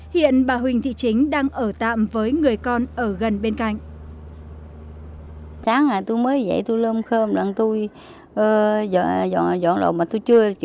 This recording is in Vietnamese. hiện bà huỳnh thị chính đang ở tạm với người con ở gần bên cạnh